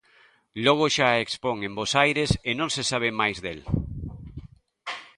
Logo xa expón en Bos Aires e non se sabe máis del.